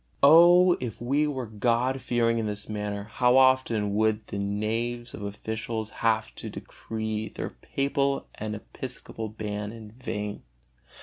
Oh, if we were God fearing in this matter, how often would the knaves of officiales have to decree their papal and episcopal ban in vain!